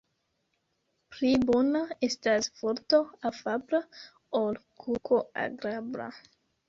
Pli bona estas vorto afabla, ol kuko agrabla.